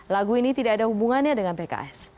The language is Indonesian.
lagu ini tidak ada hubungannya dengan pks